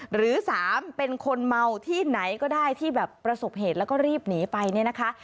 หรือ๓เป็นคนเมาที่ไหนก็ได้ที่แบบประสบเหตุแล้วก็รีบหนีไปเนี่ยนะคะ